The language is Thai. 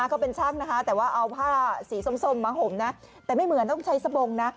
เขาเป็นช่างนะคะแต่ว่าเอาผ้าสีส้มมาห่มนะแต่ไม่เหมือนต้องใช้สบงนะ